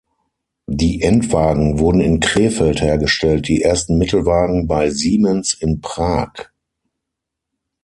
Die Endwagen wurden in Krefeld hergestellt, die ersten Mittelwagen bei Siemens in Prag.